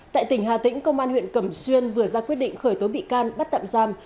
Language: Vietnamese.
tại tỉnh hà tĩnh công an huyện cầm xuyên vừa ra quyết định khởi tối bị can bắt tặng giam